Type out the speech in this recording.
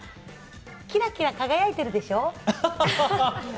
キラキラ輝いてるでしょ？